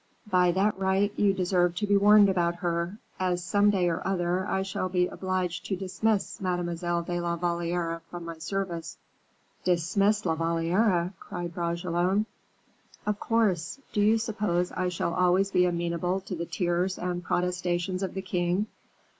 "By that right, you deserve to be warned about her, as some day or another I shall be obliged to dismiss Mademoiselle de la Valliere from my service " "Dismiss La Valliere!" cried Bragelonne. "Of course. Do you suppose I shall always be amenable to the tears and protestations of the king?